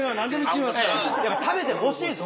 食べてほしいです